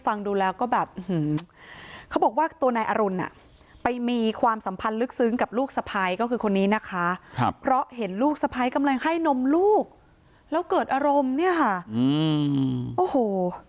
ฟังดูแล้วก็แบบเขาบอกว่าตัวนายอรุณอ่ะไปมีความสัมพันธ์ลึกซึ้งกับลูกสะพ้ายก็คือคนนี้นะคะครับเพราะเห็นลูกสะพ้ายกำลังให้นมลูกแล้วเกิดอารมณ์เนี่ยค่ะอืมโอ้โห